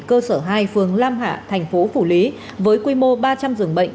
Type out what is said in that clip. cơ sở hai phường lam hạ thành phố phủ lý với quy mô ba trăm linh giường bệnh